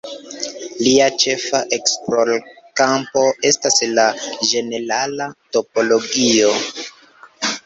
Lia ĉefa esplorkampo estas la ĝenerala topologio.